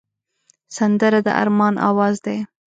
سندره د ارمان آواز دی